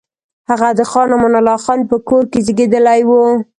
هغه د خان امان الله خان په کور کې زېږېدلی وو.